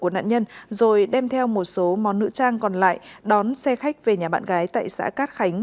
của nạn nhân rồi đem theo một số món nữ trang còn lại đón xe khách về nhà bạn gái tại xã cát khánh